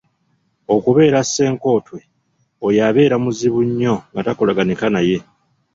Okubeera Ssenkotwe: oyo abeera muzibu nnyo nga takolaganika naye.